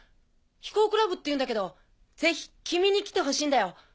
飛行クラブっていうんだけどぜひ君に来てほしいんだよ。